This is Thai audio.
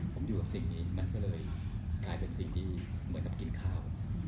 ผมอยู่กับสิ่งนี้มันก็เลยเป็นเรื่องเรื่องการเก็บข้าว